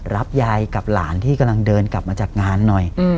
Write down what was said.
รับยายกับหลานที่กำลังเดินกลับมาจากงานหน่อย